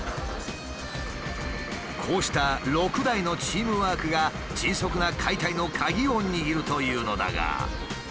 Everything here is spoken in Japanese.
こうした６台のチームワークが迅速な解体の鍵を握るというのだが。